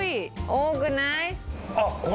多くない？